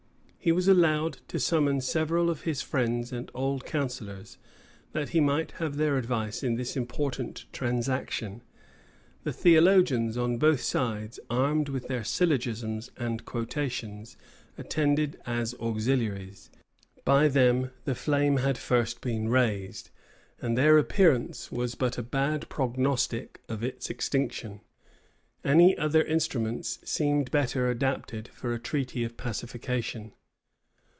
[*] He was allowed to summon several of his friends and old counsellors, that he might have their advice in this important transaction.[] The theologians on both sides, armed with their syllogisms and quotations, attended as auxiliaries.[] By them the flame had first been raised; and their appearance was but a bad prognostic of its extinction. Any other instruments seemed better adapted for a treaty of pacification.